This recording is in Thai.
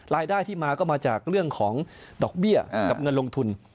รายได้ที่มาก็มาจากเรื่องของดอกเบี้ยกับเงินลงทุน